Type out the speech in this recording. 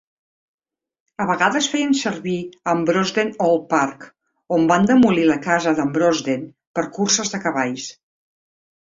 A vegades feien servir Ambrosden Old Park, on van demolir la casa d'Ambrosden, per curses de cavalls.